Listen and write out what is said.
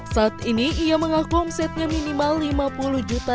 saat ini ia mengaku omsetnya minimal lima puluh juta